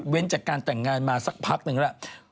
จากการแต่งงานมาสักพักหนึ่งแล้ว